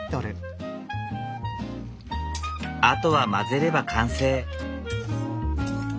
あとは混ぜれば完成。